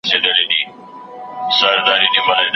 منځنۍ پېړۍ د اروپا په تاريخ کي يوه مهمه دوره ده.